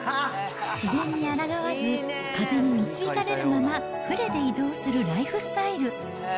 自然にあらがわず、風に導かれるまま船で移動するライフスタイル。